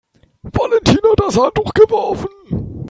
Valentin hat das Handtuch geworfen.